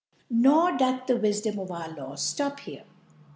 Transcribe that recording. Nor doth the Wifdom of our Law ftop here.